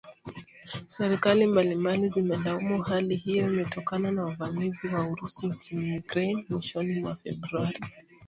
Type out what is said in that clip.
Serikali mbalimbali zimelaumu hali hiyo imetokana na uvamizi wa Urusi nchini Ukraine mwishoni mwa Februari, iliyopelekea kuvuruga mtiririko wa usambazaji mafuta